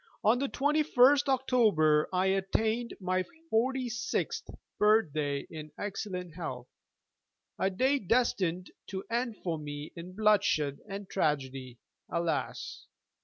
On the 21st October I attained my forty sixth birthday in excellent health: a day destined to end for me in bloodshed and tragedy, alas.